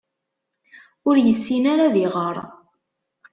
Ur yessin ara ad iɣeṛ.